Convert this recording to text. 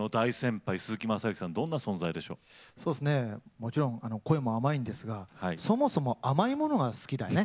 もちろん声も甘いんですがそもそも甘いものが好きだよね。